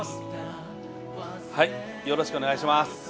よろしくお願いします。